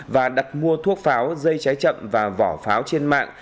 và đặt mua thuốc pháo dây cháy chậm và vỏ pháo trên mạng